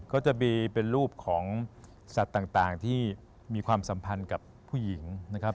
ก็จะมีเป็นรูปของสัตว์ต่างที่มีความสัมพันธ์กับผู้หญิงนะครับ